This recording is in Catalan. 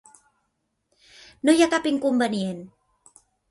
No hi ha cap inconvenient.